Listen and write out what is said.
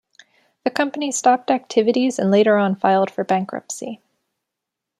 The company stopped activities and later on filed for bankruptcy.